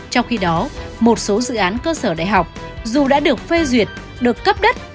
trong khi đó một số dự án cơ sở đại học dù đã được phê duyệt được cấp đất